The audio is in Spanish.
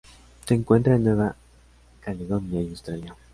Se encuentra en Nueva Caledonia y Australia.